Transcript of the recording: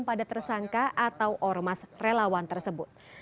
pada tersangka atau ormas relawan tersebut